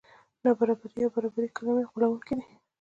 نابرابري او برابري کلمې غولوونکې دي.